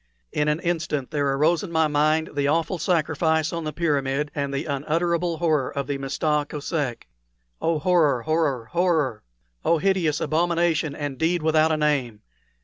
In an instant there arose in my mind the awful sacrifice on the pyramid and the unutterable horror of the Mista Kosek. Oh, horror, horror, horror! Oh, hideous abomination and deed without a name!